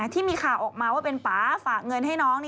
ที่มีข่าวออกมาว่าเป็นป่าฝากเงินให้น้อง